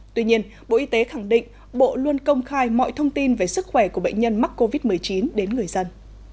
tuy nhiên bộ y tế khẳng định bộ luôn công khai mọi thông tin về sức khỏe của bệnh nhân mắc covid một mươi chín đến người dân